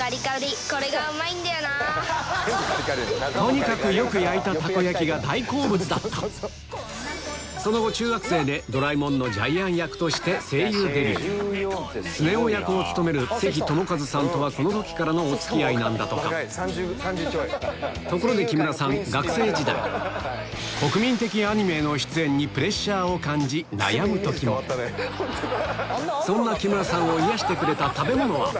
とにかくよく焼いたその後中学生で『ドラえもん』のジャイアン役としてスネ夫役を務める関智一さんとはこの時からのお付き合いなんだとかところで木村さん学生時代国民的アニメへの出演にプレッシャーを感じ悩む時もそんな木村さんを癒やしてくれた食べ物は・